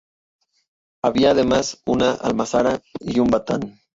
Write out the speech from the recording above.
Había además una almazara y un batán.